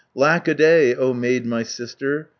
"Lack a day, O maid, my sister!